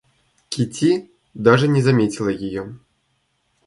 Кити даже не заметила ее.